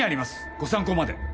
ご参考まで。